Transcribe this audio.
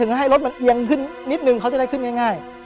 ให้รถมันเอียงขึ้นนิดนึงเขาจะได้ขึ้นง่าย